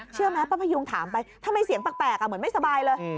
เชื่อไหมป้าพยุงถามไปทำไมเสียงแปลกเหมือนไม่สบายเลย